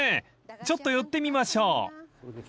ちょっと寄ってみましょう］